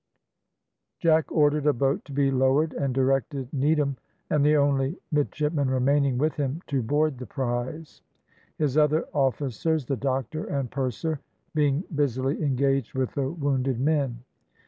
Jack ordered a boat to be lowered, and directed Needham and the only midshipman remaining with him to board the prize; his other officers, the doctor and purser, being busily engaged with the wounded men.